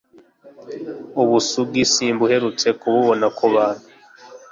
ubusugi simbuherutse kububona ku bantu